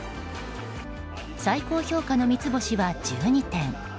最高評価の三つ星は１２店。